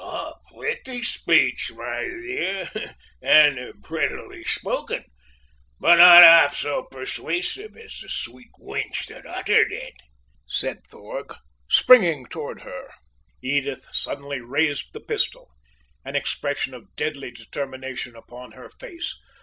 "A pretty speech, my dear, and prettily spoken but not half so persuasive as the sweet wench that uttered it," said Thorg, springing toward her. Edith suddenly raised the pistol an expression of deadly determination upon her face.